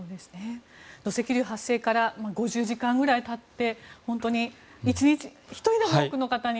土石流発生から５０時間ぐらい経って本当に１日、１人でも多くの方に。